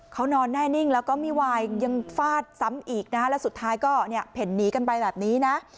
เขานอนแน่นิ่งแล้วก็ไม่วายยังฟาดซ้ำอีกนะฮะแล้วสุดท้ายก็เนี่ยเพ่นหนีกันไปแบบนี้นะ